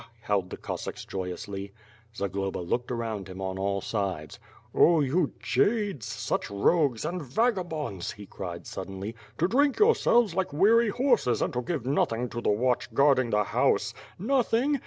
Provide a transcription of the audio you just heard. howled the Cossacks joyouslv. Zagloba looked around him on all sides. "Oh you jades, such rogues and vagabonds!" he cried sud denly, "to drink yourselves like weary horses and to give nothing to the watch guarding the house. Nothing?